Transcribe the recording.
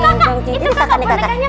itu kakak bonekanya